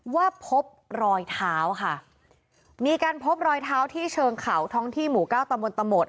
ว่าพบรอยเท้าค่ะมีการพบรอยเท้าที่เชิงเขาท้องที่หมู่เก้าตะมนตะหมด